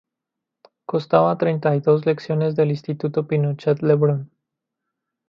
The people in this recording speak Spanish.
Constaba treinta dos lecciones del Instituto Pinochet Le Brun.